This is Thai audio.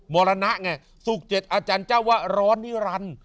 มรณะไงสุขเจ็ดอาจารย์เจ้าว่าร้อนี่รัน